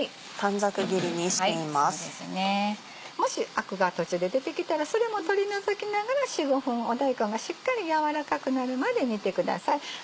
もしアクが途中で出てきたらそれも取り除きながら４５分大根がしっかり軟らかくなるまで煮てください。